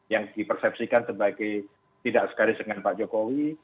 yang dipersepsikan sebagai tidak segaris dengan pak jokowi